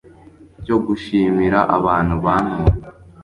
cyo gushimira abantu bantoye